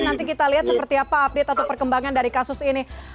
nanti kita lihat seperti apa update atau perkembangan dari kasus ini